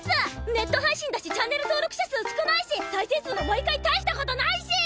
ネット配信だしチャンネル登録者数少ないし再生数も毎回大した事ないし！